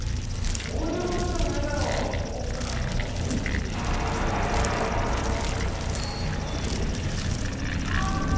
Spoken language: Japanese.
そういうことじゃないだろ大加戸はーい